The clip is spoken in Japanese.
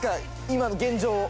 今の現状を。